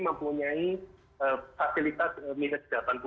mempunyai fasilitas minus delapan puluh dan minus dua puluh